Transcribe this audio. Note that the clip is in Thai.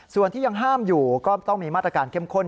ส่วนที่ยังห้ามอยู่ก็ต้องมีมาตรการเข้มข้น